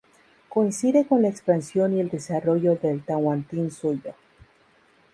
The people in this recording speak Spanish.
Coincide con la expansión y el desarrollo del Tahuantinsuyo.